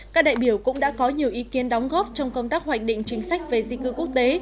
các đại biểu cũng đã có nhiều ý kiến đóng góp trong công tác hoạch định chính sách về di cư quốc tế